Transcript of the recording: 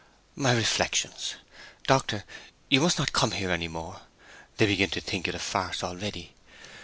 "My reflections. Doctor, you must not come here any more. They begin to think it a farce already.